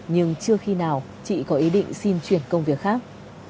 nhưng chưa khi nào chị có ý định xin chuyển công việc khác